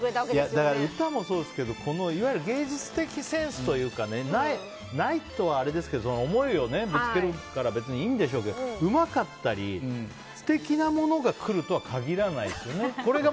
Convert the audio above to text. だから歌もそうですけどいわゆる芸術的センスというかないとあれですけど思いをぶつけるから別にいいんでしょうけどうまかったり素敵なものが来るとは限らないですよね。